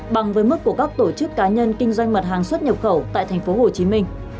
bằng với mức của các tổ chức cá nhân kinh doanh mật hàng xuất nhập khẩu tại tp hcm